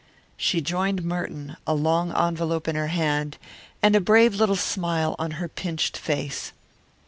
She joined Merton, a long envelope in her hand and a brave little smile on her pinched face.